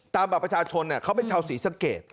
ตามบัตรประชาชนเนี่ยเขาเป็นชาวศรีสังเกต